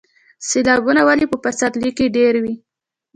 سیلابونه ولې په پسرلي کې ډیر وي؟